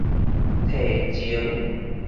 提前